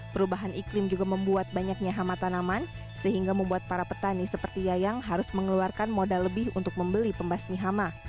perubahan iklim juga membuat banyaknya hama tanaman sehingga membuat para petani seperti yayang harus mengeluarkan modal lebih untuk membeli pembasmi hama